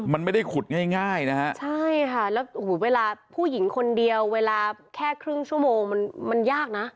มันไม่ได้ขุดง่ายง่ายนะฮะใช่ค่ะแล้วเวลาผู้หญิงคนเดียวเวลาแค่ครึ่งชั่วโมงมันมันยากนะ